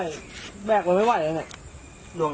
ไอ้น้องน้ำดูเล็บแล้วหลืม